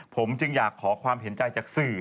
ผมจึงอยากขอความเห็นใจจากสื่อ